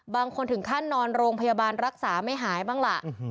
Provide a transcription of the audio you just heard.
บางคนถึงขั้นนอนโรงพยาบาลรักษาไม่หายบ้างล่ะ